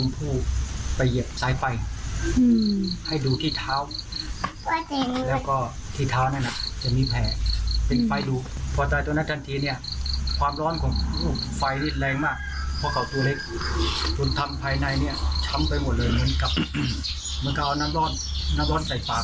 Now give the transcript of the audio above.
เพราะเขาตัวเล็กจนทำภายในนี้ช้ำไปหมดเลยเหมือนกับเหมือนกับเอาน้ำรอดน้ำรอดใส่ฝาก